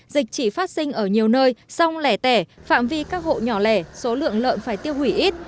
dịch chỉ phát sinh ở nhiều nơi song lẻ tẻ phạm vi các hộ nhỏ lẻ số lượng lợn phải tiêu hủy ít